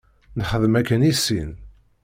Nxeddem akken i sin.